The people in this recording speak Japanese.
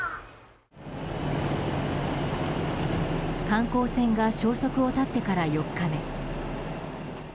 観光船が消息を絶ってから４日目。